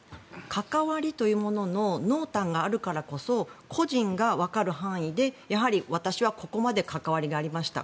関わりというものの濃淡があるからこそ個人がわかる範囲でやはり私はここまで関わりがありました